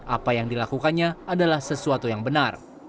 apa yang dilakukannya adalah sesuatu yang benar